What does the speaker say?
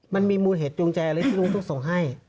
มันมีมูลเหตุจูงใจอะไรที่ลุงต้องส่งให้